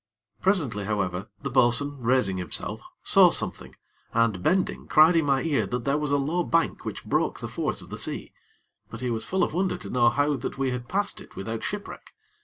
Presently, however, the bo'sun, raising himself, saw something, and, bending cried in my ear that there was a low bank which broke the force of the sea; but he was full of wonder to know how that we had passed it without shipwreck.